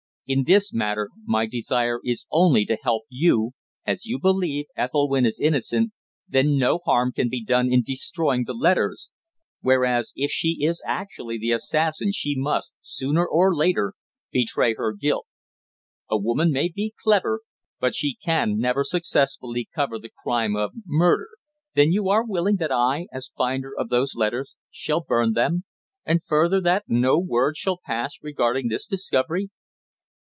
"In this matter my desire is only to help you. If, as you believe, Ethelwynn is innocent, then no harm can be done in destroying the letters, whereas if she is actually the assassin she must, sooner or later, betray her guilt. A woman may be clever, but she can never successfully cover the crime of murder." "Then you are willing that I, as finder of those letters, shall burn them? And further, that no word shall pass regarding this discovery?"